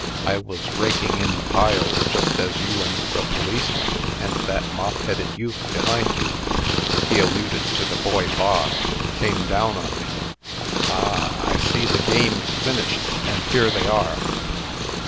I was raking in the piles just as you and the policeman, and that mop headed youth behind you" (he alluded to the boy Bog) "came down on me. Ah! I see the game is finished, and here they are."